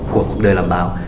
của cuộc đời làm bào